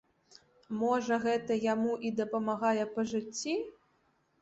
Можа, гэта яму і дапамагае па жыцці?